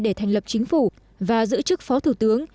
để thành lập chính phủ và giữ chức phó thủ tướng